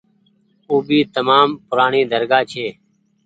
او ڀي تمآم پورآڻي درگآه ڇي۔